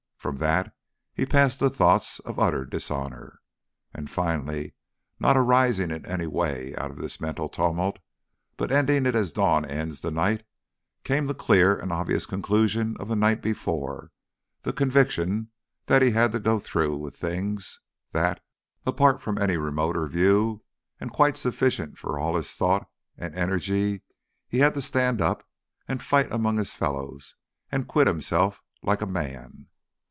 From that he passed to thoughts of utter dishonour. And finally, not arising in any way out of this mental tumult, but ending it as dawn ends the night, came the clear and obvious conclusion of the night before: the conviction that he had to go through with things; that, apart from any remoter view and quite sufficient for all his thought and energy, he had to stand up and fight among his fellows and quit himself like a man.